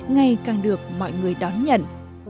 ngày càng được mọi người đón nhận